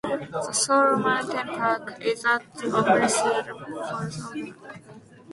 The sole mountain peak is that of Circeo promontory.